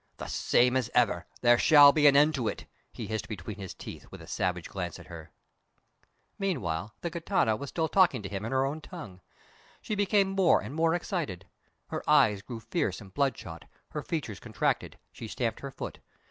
"The same as ever. There shall be an end to it!" he hissed between his teeth, with a savage glance at her. Meanwhile the gitana was still talking to him in her own tongue. She became more and more excited. Her eyes grew fierce and bloodshot, her features contracted, she stamped her foot.